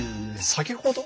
先ほど？